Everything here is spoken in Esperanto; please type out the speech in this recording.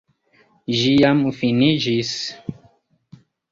Ĝi jam finiĝis.